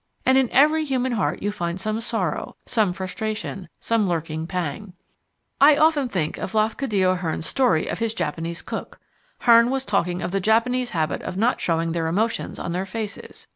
And in every human heart you find some sorrow, some frustration, some lurking pang. I often think of Lafcadio Hearn's story of his Japanese cook. Hearn was talking of the Japanese habit of not showing their emotions on their faces.